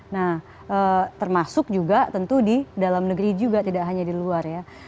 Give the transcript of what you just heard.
nah termasuk juga tentu di dalam negeri juga tidak hanya di luar ya